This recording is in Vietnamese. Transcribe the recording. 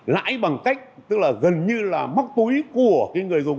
lãi bằng cách tức là gần như là móc túi của cái người dùng